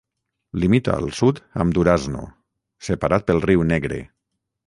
Limita al sud amb Durazno, separat pel riu Negre.